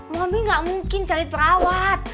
mami gak mungkin cari perawat